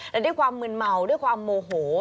แต่ด้วยความมืนเมาด้วยความโมโห